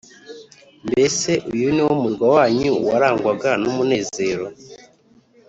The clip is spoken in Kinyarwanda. Mbese uyu ni wo murwa wanyu, warangwaga n’umunezero,